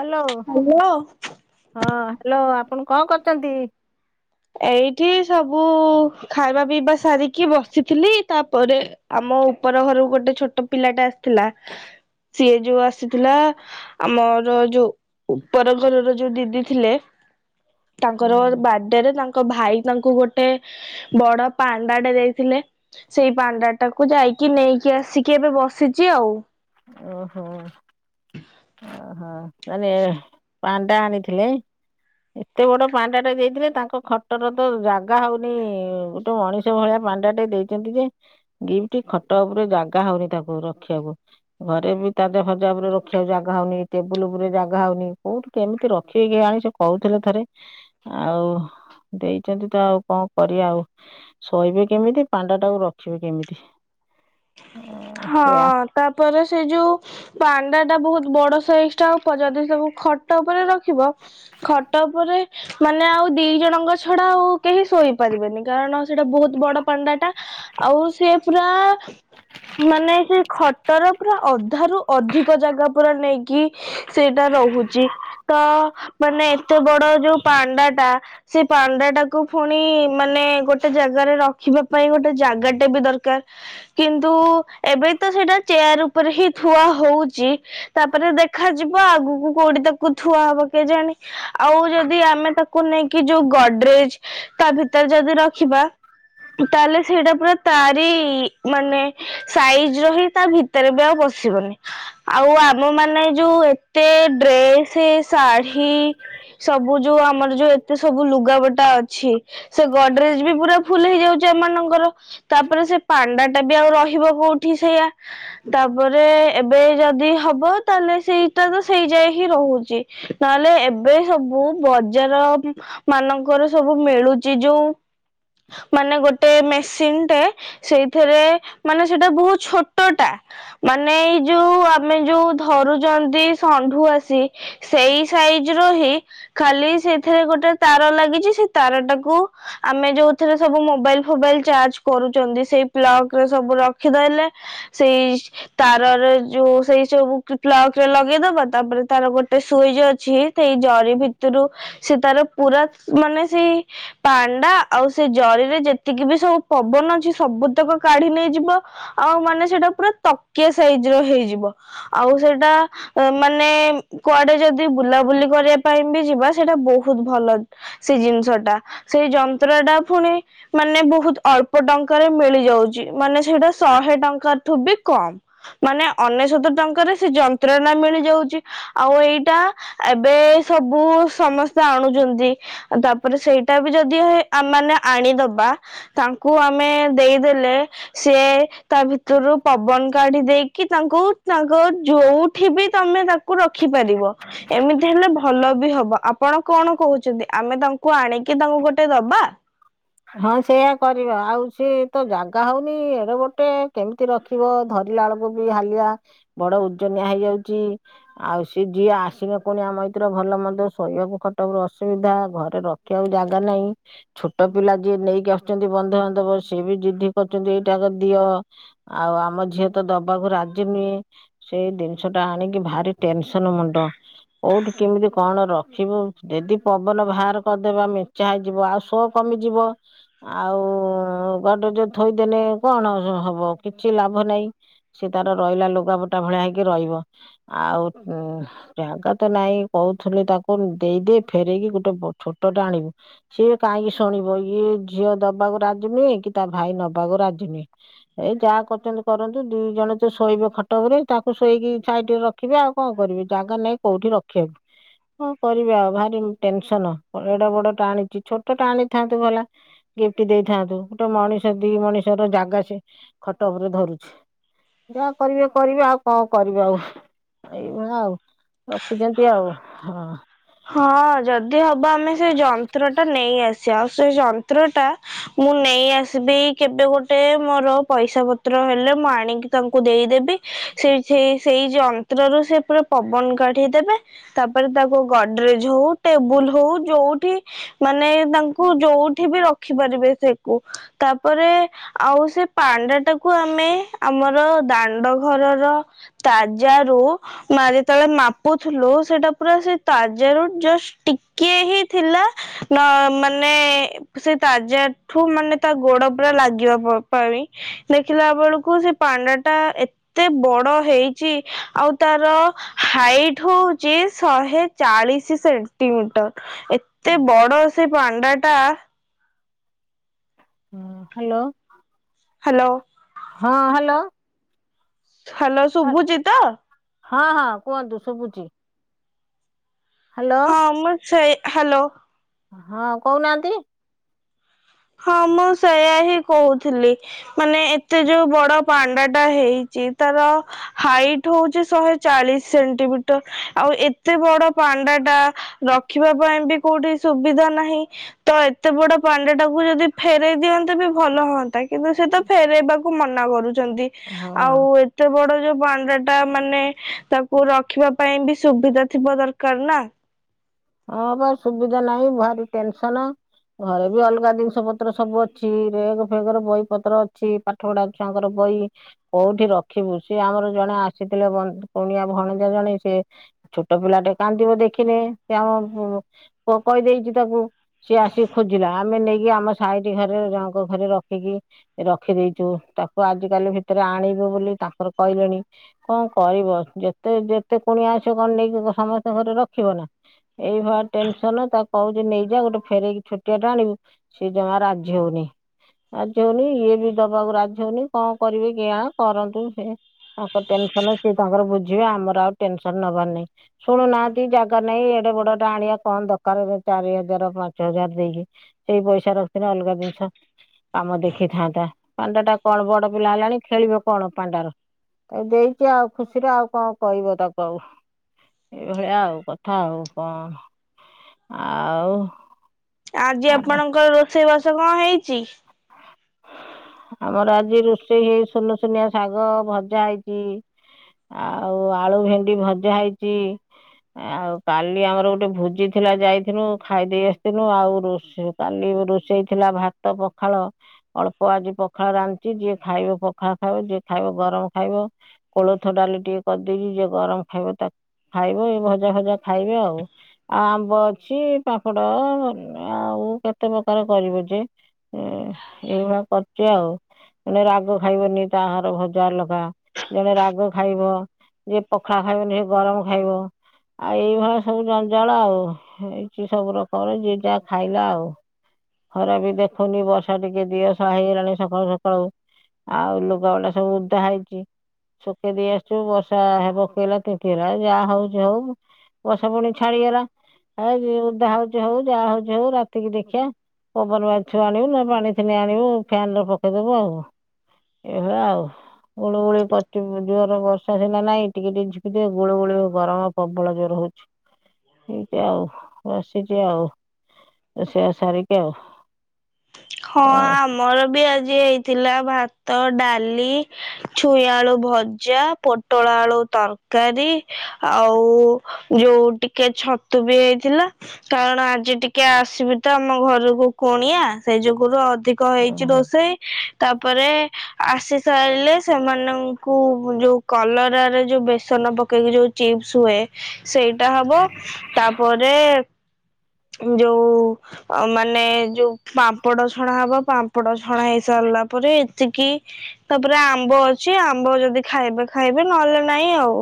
Hello hello. ହଁ hello ଆପଣ କଁ କରୁଚନ୍ତି? ଏଇଠି ସବୁ ଖାଇବା ପିଇବା ସାରିକି ବସିଥିଲି ତାପରେ ଆମ ଉପର ଘରୁକୁ ଗୋଟେ ଛୋଟ ପିଲାଟା ଆସିଥିଲା ସିଏ ଯୋଉ ଆସିଥିଲା ଆମର ଯୋଉ ଉପର ଘରର ଯୋଉ ଦିଦି ଥିଲେ ହଁ ତାଙ୍କର ବା ଡେରେ ତାଙ୍କ ଭାଇ ତାଙ୍କୁ ଗୋଟେ ବଡ ପାଣ୍ଡାଟେ ଦେଇଥିଲେ। ସେଇ ପାଣ୍ଡାଟାକୁ ଯାଇକି ନେଇକି ଆସିକି ଏବେ ବସିଚି ଆଉ। ଓହୋ ଓହୋ ମାନେ ପଣ୍ଡା ଆଣିଥିଲେ। ଏତେ ବଡ ପାଣ୍ଡାଟା ଦେଇଥିଲେ ତାଙ୍କ ଖଟର ତ ଜାଗା ହଉନି ଗୋଟେ ମଣିଷ୍ [unintelligible] ଭଳିଆ ପାଣ୍ଡାଟେ ଦେଇଛନ୍ତି ଯେ ଗିଫ୍ଟ ଖଟ ଉପରେ ଜାଗା ହଉନି ତାକୁ ରଖିଆକୁ। ଘରେ ବି ତାଜା ଫାଜା ଉପରେ ରଖିଆକୁ ଜାଗା ହଉନି ଟେବୁଲ ଉପରେ ଜାଗା ହଉନି କୋଉଠି କେମିତି ରଖିବେ କେୟାଣି ସେ କହୁଥିଲେ ଥରେ ଆଉ ଦେଇଛନ୍ତି ତ ଆଉ କଁ କରିଆ ଆଉ। ଶୋଇବେ କେମିତି ପାଣ୍ଡାଟାକୁ ରଖିବି କେମିତି। ହଁ ସେ ତାପରେ ସେଇ ଯୋଉ ପାଣ୍ଡାଟା ବୋହୁତ ବଡ ସାଇଜଟା ଉପ ଯଦି ସବୁ ଖଟ ଉପରେ ରଖିବ ଖଟ ଉପରେ ମାନେ ଆଉ ଦି ଜଣଙ୍କ ଛଡା ଆଉ କେହି ଶୋଇପାରିବେନି କାରଣ ସେଇଟା ବୋହୁତ ବଡ ପାଣ୍ଡାଟା। ଆଉ ସେ ପୁରା ମାନେ ସେ ଖଟର ପୁରା ଅଧାରୁୁ ଅଧିକ ଜାଗା ପୁରା ନେଇକି। ସେଇଟା ରହୁଛି ତ ମାନେ ଏତେ ବଡ ଯୋଉ ପାଣ୍ଡା ଟା। ସେ ପାଣ୍ଡା ଟାକୁ ପୁଣି ମାନେ ଗୋଟେ ଜାଗାରେ ରଖିବା ପାଇଁ ଗୋଟେ ଜାଗାଟେ ବି ଦରକାର। କିନ୍ତୁ ଏବେ ତ ସେଇଟା ଚେୟାର ଉପରେ ହିଁ ଥୁଆ ହଉଛି। ତାପରେ ଦେଖାଯିବ ଆଗକୁ କୋଉଠି ତାକୁ ଥୁଆ ହବ କେଜାଣେ? ଆଉ ଯଦି ଆମେ ତାକୁ ନେଇକି ଯୋଉ ଗଡରେଜ ତା ଭିତରେ ଯଦି ରଖିବା। ତାହେଲେ ସେଇଟା ପୁରା ତାରି ମାନେ। ସାଇଜ ରହି ତା ଭିତରେ ବି ଆଉ ବସିବନି। ଆଉ ଆମ ମାନେ ଯୋଉ ଏତେ ଡ୍ରେସ ଶାଢୀ ସବୁ ଯୋଉ ଆମର ଯୋଉ ଏତେ ସବୁ ଲୁଗାବଟା ଅଛି। ସେ ଗଡରେଜ ବି ପୁରା ଫୁଲ ହେଇଯାଉଛି ଏମାନଙ୍କର ତାପରେ ସେ ପାଣ୍ଡା ଟା ବି ଆଉ ରହିବ। କୋଉଠି ସେଇଆ। ତାପରେ ଏବେ ଯଦି ହବ ତାହେଲେ ସେଇଟା ତ ସେଇ ଯାଇଏ ହିଁ ରହୁଛି। ନହେଲେ ଏବେ ସବୁ ବଜାର ମାନଙ୍କର ସବୁ ମିଳୁଛି ଯୋଉ ମାନେ ଗୋଟେ ମେସିନ୍ ଟେ ସେଇଥିରେ ମାନେ ସେଟା ବହୁତ ଛୋଟଟା। ମାନେ ଏଇ ଯୋଉ ଆମେ ଯୋଉ ଧରୁଛନ୍ତି ଷଣ୍ଢୁ ଆସି। ସେଇ ସାଇଜ ର ହିଁ ଖାଲି ସେଥିରେ ଗୋଟେ ତାର ଲାଗିଛି ସେ ତାର ଟାକୁ ଆମେ ଯୋଉଥିରେ ସବୁ ମୋବାଇଲ ଫୋବାଇଲ ଚାର୍ଜ କରୁଛନ୍ତି ସେଇ ପ୍ଲକ ରେ ସବୁ ର ଖି ଦେଲେ ସେଇ ତାର ଯୋଉ ସେଇ ସବୁ ପ୍ଲକ ରେ ଲଗେଇଦବା ତାପରେ ତାର ଗୋଟେ ସୁଇଚ ଅଛି। ସେଇ ଜରି ଭିତରୁ ସେ ତାର ପୁରା ମାନେ ସେଇ ପାଣ୍ଡା ଆଉ ସେ ଜରିରେ ଯେତିକି ବି ସବୁ ପବନ ଅଛି ସବୁତକ କାଢି ନେଇଯିବ। ଆଉ ମାନେ ସେଇଟା ପୁରା ତକିଆ ସାଇଜ ର ହେଇଯିବ। ଆଉ ସେଟା ମାନେ କୁଆଡେ ଯଦି ବୁଲାବୁଲି କରିବା ପାଇଁ ବି ଯିବା ସେଇଟା ବହୁତ ଭଲ। ସେ ଜିନିଷ ଟା ସେଇ ଯନ୍ତ୍ର ଟା ପୁଣି। ମାନେ ବହୁତ ଅଳ୍ପ ଟଙ୍କାରେ ମିଳିଯାଉଛି ମାନେ ସେଇଟା ଶହେ ଟଙ୍କାର ଥୁ ବି କମ୍। ମାନେ ଅନେଶଵତ ଟଙ୍କାରେ ସେ ଯନ୍ତ୍ରଣା ମିଳିଯାଉଛି। ଆଉ ଏଇଟା ଏବେ ସବୁ ସମସ୍ତେ ଆଣୁଛନ୍ତି। ତାପରେ ସେଇଟା ବି ଯଦି ଆ ମାନେ ଆଣିଦବା। ତାଙ୍କୁ ଆମେ ଦେଇଦେଲେ ସିଏ ତା ଭିତରୁ ପବନ କାଢି ଦେଇକି ତାଙ୍କୁ ତାଙ୍କ ଯୋଉଠି ବି ତମେ ତାକୁ ରଖିପାରିବ। ଏମିତି ହେଲେ ଭଲ ବି ହବ ଆପଣ କଣ କହୁଛନ୍ତି ଆମେ ତାଙ୍କୁ ଆଣିକି ତାଙ୍କୁ ଗୋଟେ ଦବା। ହଁ ସେୟା କରିବା ଆଉ ସିଏ ତ ଜାଗା ହଉନି ଏଡେ ଗୋଟେ କେମିତି ରଖି। ଥିବ ଧରିଲା ବେଳକୁ ବି ହାଲିଆ ବଡ ଉଜନିଆ ହେଇଯାଉଛି। ଆଉ ସିଏ ଯିଏ ଆସିଲେ ପୁଣି ଆମ ଏିତରେ ଭଲ ମନ୍ଦ ଶୋଇବାକୁ ଖଟ ଅସୁବିଧା ଘରେ ରଖ ଆଉ ଜାଗା ନାହିଁ ଛୋଟ ପିଲା ଯିଏ ନେଇକି ଆସୁଛନ୍ତି ବନ୍ଧୁବାନ୍ଧବ ସିଏ ବି ଜିଦ୍ଧି କରୁଛନ୍ତି ଏଇଟାକ ଦିଅ। ଆଉ ଆମ ଝିଅ ତ ଦବାକୁ ରାଜି ନୁହେଁ ସେଇ ଜିନିଷ ଟା ଆଣିକି ଭାରି ଟେନସନ ମୁଣ୍ଡ। କଉଠି କେମିତି କଣ ରଖିବୁ? ଯଦି ପବନ ବାହାର କରିଦେବ, ମେଞ୍ଚା ହେଇଯିବ, ଆଉ ସବ କମିଯିବ। ଆଉ ଗଡରେଜ ରେ ଥୋଇଦେଲେ କଣ ହବ? କିଛି ଲାଭ ନାହିଁ। ସେ ତାର ରହିଲା ଲୁଗାପଟା ଭଳିଆ ହେଇକି ରହିବ, ଆଉ ଉ ଜାଗା ତ ନାଇଁ, କହୁଥିଲି ତାକୁ ଦେଇଦେ, ଫେରଇକି ଗୋଟେ ଛୋଟଟା ଆଣିବୁ। ସିଏ କାହିଁକି ଶୁଣିବ? ଇଏ ଝିଅ ଦବାକୁ ରାଜୁନୁହଁ, କି ତା ଭାଇ ନବାକୁ ରାଜୁନୁଁ? ଏଇ ଯାହା କରଚନ୍ତି କରନ୍ତୁ, ଦି ଜଣ ତ ଶୋଇବେ ଖଟରେ, ତାକୁ ଶୋଇକି ସାଇଟରେ ରଖ ରଖିବି ଆଉ କଣ କରିବି? ଜାଗା ନେଇଁ କୋଉଠି ରଖିବାକୁ। କଣ କରିବା, ଭାରି ଟେନସନ, ଏଡ ବଡଟେ ଆଣିଛି, ଛୋଟ ଟା ଆଣିଥାନ୍ତୁ ଭଲା। ଗିଫ୍ଟ ଦେଇଥାନ୍ତୁ, ଗୋଟେ ମଣିଷ, ଦି ମଣିଷ ର ଜାଗା ସେ ଖଟ ଉପରେ ଧରୁଛି୍। ଯା କରିବେ, କରିବେ, ଆଉ କଣ କରିବେ ଆଉ? ଏଇ ଗୁଣ ଆଉ, ରଖିଚନ୍ତି ଆଉ, ହଁ। ହଁ, ଯଦି ହବ ଆମେ ସେ ଯନ୍ତ୍ର ଟା ନେଇ ଆସିବା, ଆଉ ସେ ଯନ୍ତ୍ରଟା ମୁଁ ନେଇ ଆସିବି କେବେ ଗୋଟେ, ମୋର ପଇସା ପତ୍ର ହେଲେ, ମୁଁ ଆଣିକି ତାଙ୍କୁ ଦେଇଦେବି। ସେ, ସେ, ସେଇ ଯଉ ଯନ୍ତ୍ରରୁ ସେ ପୁରା ପବନ କାଢିଦବେ, ତାପରେ ତାକୁ ଗଡରେଜ ହଉ, ଟେବୁଲ ହଉ, ଯୋଉଠି ମାନେ ତାଙ୍କୁ ଯୋଉଠି ବି ରଖିପାରିବେ ସେକୁ, ତାପରେ ଆଉ ସେ ପାଣ୍ଡା ଟାକୁ ଆମେ, ଆମର ଦାଣ୍ଡ ଘରର ତାଜା ରୁ ଯେତେବେଳେ ମାପୁଥିଲୁ, ସେଟା ପୁରା ସେ ତାଜା ରୁ ଜଷ୍ଟ ଟିକେ ହିଁ ଥିଲା, ନା ମାନେ ସେ ତାଜା ଠୁ ମାନେ ତା ଗୋଡ ପୁରା ଲାଗିବା ପାଣି, ଦେଖିଲା ବେଳକୁ ସେ ପାନ ଟା ଏତେ ଏତେ ବଡ ହେଇଚି, ଆଉ ତାର ହାଇଟ ହଉଚି ଶହେ ଚାଳିଶ ସେଣ୍ଟିମିଟର, ଏତେ ବଡ ସେ ପାଣ୍ଡା ଟା ହଁ, ହାଲୋ। ହାଲୋ। ହଁ ହାଲୋ। ହାଲୋ, ଶୁଭୁଚିତ? ହଁ ହଁ କୁଅନ୍ତୁ, ଶୁବୁଚି। ହାଲୋ। ହଁ ମୁଁ ସେଇ, ହାଲୋ। ହଁ କହୁନାହାନ୍ତି? ହଁ ମୁଁ ସେୟା ହିଁ କହୁଥିଲି, ମାନେ ଏତେ ଯୋଉ ବଡ ପାଣ୍ଡା ଟା ହେଇଚି ତାର ହାଇଟ ହଉଚି ଶହେ ଚାଳିଶ ସେଣ୍ଟିମିଟର, ଆଉ ଏତେ ବଡ ପାଣ୍ଡା ଟା ରଖିବା ପାଇଁ ବି, କୋଉଠି ସୁବିଧା ନାହିଁ। ତ, ଏତେ ବଡ ପାଣ୍ଡଟାକୁ ଯଦି ଫେରଇ ଦିଅନ୍ତେ ବି, ଭଲ ହୁଅନ୍ତା। କିନ୍ତୁ ସେ ତ, ଫେରାଇବାକୁ ମନା କରୁଚନ୍ତି, ହଁ ଆଉ ଏତେ ବଡ ଯୋଉ ପାଣ୍ଡା ଟା, ମାନେ ତାକୁ ରଖିବା ପାଇଁ ବି ସୁବିଧା ଥିବା ଦରକାର ନା? ହଁ ପା, ସୁବିଧା ନାହିଁ, ଭାରି ଟେନସନ। ଘରେ ବି ଅଲଗା ଜିନିଷ ପତ୍ର ସବୁ ଅଛି, ବେଗ ଫେଗରେ ବହି ପତ୍ର ଅଛି। ପାଠପଢା ଛୁଆଙ୍କର ବହି କୋଉଠି ରଖିବୁ? ସିଏ ଆମର ଜଣେ ଆସିଥିଲେ, କୁଣିଆ ଭଣଜା ଜଣେ ସିଏ ଛୋଟ ପିଲାଟେ କାନ୍ଦିବ ଦେଖିଲେ, ସେ ଆମ ପୁଅ କହିଦେଇଚି ତାକୁ। ସିଏ ଆସିକି ଖୋଜିଲା, ଆମେ ନେଇକି ଆମ ସାଇଟି ଘରେ, ଜଣଙ୍କ ଘରେ ରଖିକି ରଖିଦେଇଚୁ, ତାକୁ ଆଜିିକାଲି ଭିତେରେ ଆଣିବୁ ବୋଲି ତାଙ୍କର କହିଲେଣି। କଣ କଇବ ଯେତେ-ଯେତେ କୁଣିଆ ଆସିବେ କଣ ନେଇକି ସମସ୍ତେ ଘରେ ରଖିବ ନା। ଏଇବା ଟେନ୍ସନ ତାକୁ କହୁଚି ନେଇଯା ଗୋଟେ ଫେରେଇକି ଛୋଟିଆଟା ଆଣିବୁ ସେ ଜମା ରାଜି ହଉନି। ରାଜ ହଉନି ଇଏ ବି ଦବାକୁ ରାଜି ହଉନି କଣ କରିବି [unintelligible] କରନ୍ତୁ ସେ। ତାଙ୍କ ଟେନ୍ସନ ସିଏ ତାଙ୍କର ବୁଝିବେ, ଆମର ଆଉ ଟେନ୍ସନ ନବାର ନାହିଁ, ଶୁଣୁନାହାନ୍ତି [unintelligible] ନାଇଁ ଏଡେ ବଡଟା ଆଣିଆ କଣ ଦରକାର, ଏ ଚାରି ହଜାର ପାଞ୍ଚ ହଜାର ଦେଇକି। ସେଇ ପଇସା ରଖିକିନା ଅଲଗା ଜିନିଷ କାମ ଦେଖିଥାନ୍ତା, ପାଣ୍ଡା ଟା କଣ ବଡ ପିଲା ହେଲାଣି ଖେଳିବ କଣ ପାଣ୍ଡାରେ। ଏ ଦେଇଚି ଆଉ ଖୁସିରେ ଆଉ କଣ କହିବ ତାକୁ ଆଉ, ଏଇଭଳିଆ ଆଉ କ ଥା ଆଉ କଣ, ଆଉ ଆଜି ଆପଣଙ୍କର ରୋଷେଇବାସ କଣ ହେଇଚି? ଆମର ଆଜି ରୋଷେଇ ହେଇ ଶୂନୁଶୂନୁଆ ଶାଗ ଭଜା ହେଇଚି ଆଉ ଆଳୁ ଭେଣ୍ଡି ଭଜା ହେଇଚି। ଆଉ କାଲି ଆମର ଗୋଟେ ଭୋଜି ଥିଲା ଯାଇଥିଲୁ, ଖାଇଦେଇ ଆସିଥିଲୁ ଆଉ [unintelligible] କାଲି ରୋଷେଇ ଥିଲା ଭାତ ପଖାଳ ଅଳ୍ପ ଆଜି ପଖାଳ ରାନ୍ଧଚି, ଯିଏ ଖାଇବ ପଖାଳ ଖାଇବ ଯିଏ ଖାଇବ ଗରମ ଖାଇବ। କୋଳଥ ଡାଲି ଟିକେ କରିଦେଇଚି, ଯିଏ ଗରମ ଖାଇବ ତାକୁ ଖାଇବ ଏ ଭଜା ଫଜା ଖାଇବେ ଆଉ। ଆମ୍ବ ଅଛି ପାମ୍ପଡ଼ ଆଉ କେତେ ପ୍ରକାର କରିବ ଯେ? ଉଁ ଏଇଭଲିଆ କରିଚି ଆଉ। ଜଣେ ରାଗ ଖାଇବନି ତାହାର ଭଜା ଅଲଗା, ଜଣେ ରାଗ ଖାଇବ ଯିଏ ପଖାଳ ଖାଇବନି ସିଏ ଗରମ ଖାଇବ। ଆଉ ଏଇଭଳିଆ ସବୁ ଜଞ୍ଜାଳ ଆଉ, ହେଇଚି ସବୁ ରକମର ଯିଏ ଯା ଖାଇଲା ଆଉ। ଖରା ବି ଦେଖୋଉନି ପସ୍ [unintelligible] ଟିକେ ଦିଅଶୁଆ ହେଇଗଲାଣି ସକାଳୁ-ସକାଳୁ, ଆଉ ଲୁଗାଗୁଡ଼ା ସବୁ ଓଦା ହେଇଚି। ଶୁକେଇ ଦେଇ ଆସିଚୁ ବର୍ଷା ହେ ପକେଇଲା ତିନ୍ତି ହେଲା ଯାହା ହଉଚି ହଉ। ବର୍ଷା ପୁଣି ଛାଡିଗଲା। ହେ ଯିଏ ଉଦା ହଉଚି ହଉ ଯାହା ହଉଚି ହଉ ରାତିକି ଦେଖିିଆ, ପବନ ବାଜିଥିବ ଆଣିବୁ ନ [unintelligible] ଆଣିବୁ ଫ୍ୟାନ୍ ରେ ପକେଇଦବୁ ଆଉ, ଏଇଭଳିଆ ଆଉ। ଗୁଳୁଗୁଳି ପଡୁଚି ଜୋର ବର୍ଷା ସିନା ନାଇଁ, ଟିକେ-ଟିକେ ଝିପିଝିପି ଗୁଳୁଗୁଳି ଗରମ ପବଳ ଜୋରେ ହଉଚି। ଏନ୍ତି ଆଉ ବସିଚି ଆଉ, ରୋସେଇ ବାସ ସାରିକି ଆଉ। ହଁ ଆମ୍ ଆମର ବି ଆଜି ହେଇଥିଲା ଭାତ, ଡାଲି, ଛୁଇଁ ଆଳୁ ଭଜା, ପୋ ପୋଟଳ ଆଳୁ ତରକାରୀ ଆଉ ଯୋଉ ଟି କେ ଛତୁ ବି ହେଇଥିଲା, କାରଣ ଆଜି ଟିକେ ଆସିବେ ତ ଆମ ଘରକୁ କୁଣିଆ ସେଇ ଯୋଗୁରୁ ଅଧିକ ହେଇଚି ଏଇଆ ରୋଷେଇ। ତାପରେ ଆସି ସାରିଲେ ସେମାନଙ୍କୁ ଯୋଉ କଲରା ରେ ଯୋଉ ବେସନ ପ କେଇକି ଯୋଉ ଚିପ୍ସ ହୁଏ ସେଇଟା ହବ, ତାପରେ [unintelligible] ଯୋଉ ଆଉ ମାନେ ଯୋଉ ପାମ୍ପଡ଼ ଛଣା ହବ, ପାମ୍ପଡ ଛଣା ହେଇସାରିଲା ପରେ ଏତିକି ତାପରେ ଆମ୍ବ ଅଛି ଆମ୍ବ ଯଦି ଖାଇବେ-ଖାଇବେ ନହେଲେ ନାଇଁ ଆଉ।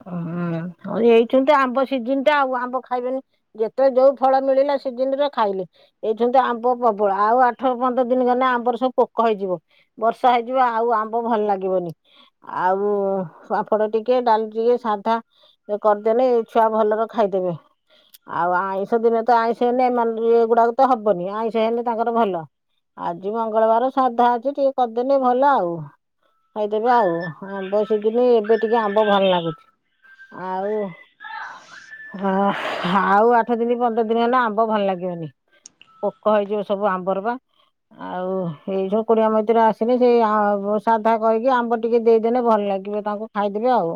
ଓହ [unintelligible] ଏଇଚନ୍ତି ଆମ୍ବ ସିଜିନ୍ ଟା ଆଉ ଆମ୍ବ ଖାଇବେନି ଯେତେବେଳେ ଯୋଉ ଫଳ ମିଳିଲା ସିଜିନ୍ ରେ ଖାଇଲେ। [unintelligible] ଆମ୍ବ ପ୍ରବଳ, ଆଉ ଆଠ ପନ୍ଦର ଦିନି ଗଲେ ଆମ୍ବରେ ସବୁ ପୋକ ହେଇଯିବ। ବର୍ଷା ହେଇଯିବ ଆଉ ଆମ୍ବ ଭଲ ଲାଗିବନି, ଆଉ ପାମ୍ପଡ ଟିକେ, ଡାଲି ଟିକେ ସାଧା କରିଦେଲେ, ଏ ଛୁଆ ଭଲରେ ଖାଇଦେବେ। ଆଉ ଆଇଁଷ ଦିନେ ତ ଆଇଁଷ ହେଲେ, ଏମାନେ ଏଗୁଡାକ ତ ହବନି, ଆଇଁଷ ହେଲେ ତାଙ୍କର ଭଲ। ଆଜି ମଙ୍ଗଳବାର ସାଧା ଅଛି, ଟିକେ କରିଦେଲେ ଭଲ ଆଉ। ଖଇଦେବେ ଆଉ ଆମ୍ବ ସିଜିନ୍ ଏବେ ଟିକେ ଆମ୍ବ ଭଲ ଲାଗେ। ଆଉ ହ ଆଉ ଆଠ ଦିନ ପନ୍ଦର ଦିନ ହେଲେ ଆମ୍ବ ଭଲ ଲାଗିବନି। ପୋକ ହେଇଯିବ ସବୁ ଆମ୍ବର ପା। ଆଉ ଏଇ ଜଉ କୁଣିଆ ମଇତ୍ର ଆସିବେ, ସେଇ ସାଧା କହିକି ଆମ୍ବ ଟିକେ ଦେଇଦେଲେ ଭଲ ଲାଗିବ। ତାଙ୍କୁ ଖାଇଦେବି ଆଉ।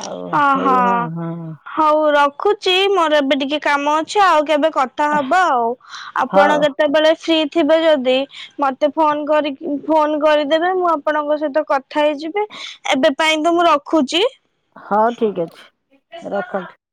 ଆଉ ଅହଁ ଏଇ ହଁ ହଉ ରଖୁଛି, ମୋର ଏବେ ଟିକେ କାମ ଅଛି ଆଉ କେବେ କ କଥା ହବା ଆଉ। ଆପଣ ହଉ କେତେବେଳେ ଫ୍ରି ଥିବେ ଯଦି ମତେ ଫୋନ୍ କରି, ଫୋନ କରିଦେବେ, ମୁଁ ଆପଣଙ୍କ ସହିତ କଥା ହେଇଯିବି? ଏବେ ପାଇଁ ତ ମୁଁ ରଖୁଛି। ହଁ ଠିକ୍ ଅଛି, ରଖନ୍ତୁ।